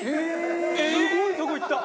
すごいとこいった！